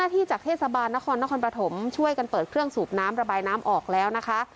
ที่จากเทศบาลนครนครปฐมช่วยกันเปิดเครื่องสูบน้ำระบายน้ำออกแล้วนะคะ